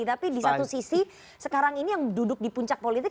tapi di satu sisi sekarang ini yang duduk di puncak politik